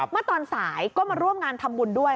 เมื่อตอนสายก็มาร่วมงานทำบุญด้วย